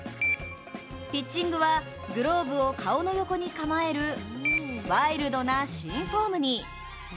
ピッチングはグローブを顔の横に構えるワイルドな新フォームに。